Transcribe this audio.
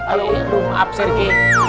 aduh maaf sergei